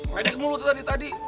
ledek mulu tadi tadi